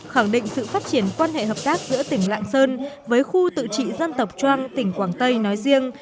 khẳng định sự phát triển quan hệ hợp tác giữa tỉnh lạng sơn với khu tự trị dân tộc trang tỉnh quảng tây nói riêng